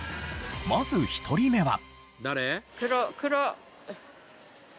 まず１人目は。